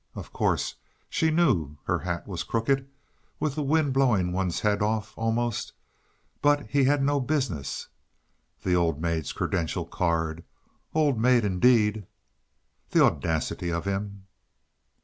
Of course, she knew her hat was crooked, with the wind blowing one's head off, almost, but he had no business: "The old maid's credential card!" "Old maid," indeed! "The audacity of him!"